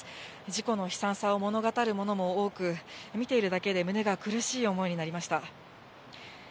事故の悲惨さを物語る物も多く、見ているだけで胸が苦しい思いになりました。